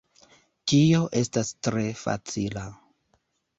Tio estas tre facila.